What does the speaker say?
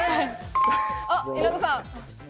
稲田さん。